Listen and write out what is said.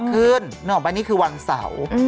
ขึ้นนึกออกปะนี่คือวันเสาร์